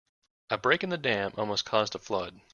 A break in the dam almost caused a flood.